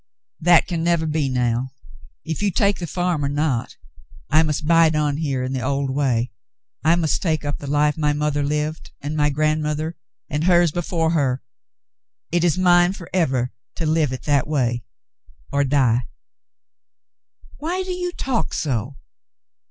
*'That can never be now. If you take the farm or not, I must bide on here in the old way. I must take up the life my mother lived and my grandmother, and hers before her. It is mine, forever, to live it that way — or die." " Why do you talk so